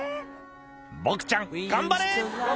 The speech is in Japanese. ボクちゃん頑張れ！